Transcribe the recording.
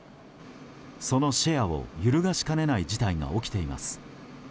そのシェアを揺るがしかねない事態が起きています。